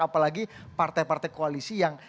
apalagi partai partai koalisi yang